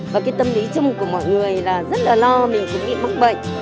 và cái tâm lý chung của mọi người là rất là lo mình cũng bị mắc bệnh